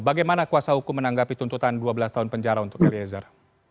bagaimana kuasa hukum menanggapi tuntutan dua belas tahun penjara untuk eliezer